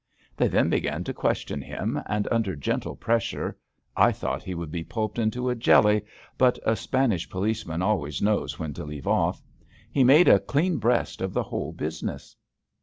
They then began to question him, and under gentle pressure — I thought he would be pulped into a jelly, but a Spanish policeman al ways knows when to leave off — ^he made a clean breast of the whole business.